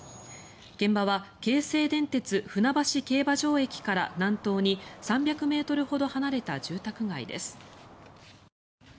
現場は京成電鉄船橋競馬場駅から南東に３００ｍほど離れた住宅街です。